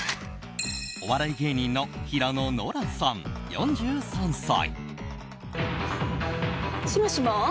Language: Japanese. お笑い芸人の平野ノラさん、４３歳。